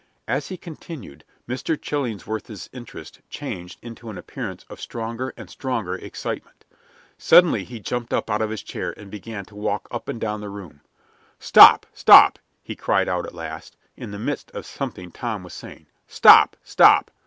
As he continued, Mr. Chillingsworth's interest changed into an appearance of stronger and stronger excitement. Suddenly he jumped up out of his chair and began to walk up and down the room. "Stop! stop!" he cried out at last, in the midst of something Tom was saying. "Stop! stop!